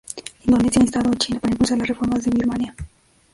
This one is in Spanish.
Indonesia ha instado a China para impulsar las reformas de Birmania.